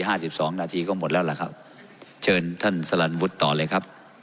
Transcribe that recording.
สิบสองนาทีก็หมดแล้วล่ะครับเชิญท่านสลันวุฒิต่อเลยครับ